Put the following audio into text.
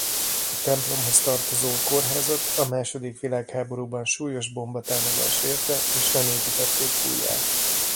A templomhoz tartozó kórházat a második világháborúban súlyos bombatámadás érte és nem építették újjá.